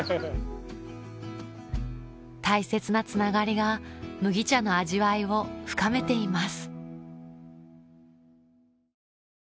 大切なつながりが麦茶の味わいを深めています